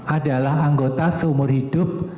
adalah anggota seumur hidup